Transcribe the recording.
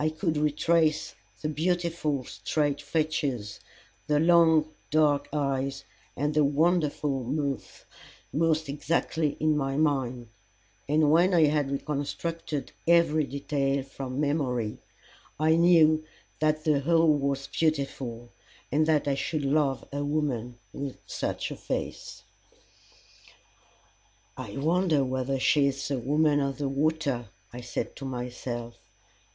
I could retrace the beautiful straight features, the long dark eyes, and the wonderful mouth most exactly in my mind, and when I had reconstructed every detail from memory I knew that the whole was beautiful, and that I should love a woman with such a face. "I wonder whether she is the Woman of the Water!" I said to myself.